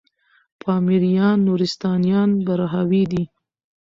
پامـــــیـــریــــان، نورســــتانــیان براهــــوی دی